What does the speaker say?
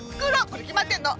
これ決まってんの！